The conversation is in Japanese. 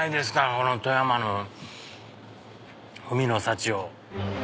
この富山の海の幸を。